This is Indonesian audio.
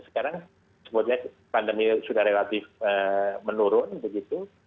sekarang sebutnya pandemi sudah relatif menurun begitu